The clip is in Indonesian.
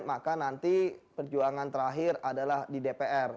maka nanti perjuangan terakhir adalah di dpr